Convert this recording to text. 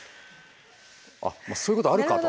あっそういうことあるかと。